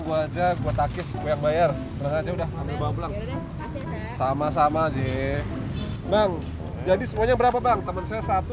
aja aja gua takis yang bayar udah sama sama aja bang jadi semuanya berapa bang teman saya satu